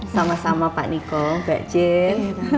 sama sama pak niko mbak jen